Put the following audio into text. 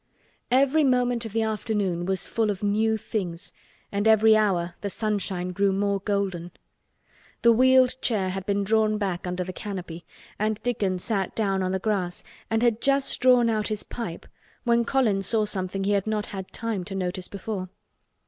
Every moment of the afternoon was full of new things and every hour the sunshine grew more golden. The wheeled chair had been drawn back under the canopy and Dickon had sat down on the grass and had just drawn out his pipe when Colin saw something he had not had time to notice before.